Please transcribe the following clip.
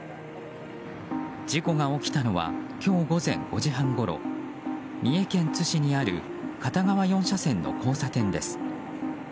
事故が起きたのは今日午前５時半ごろ三重県津市にある片側４車線の交差点です。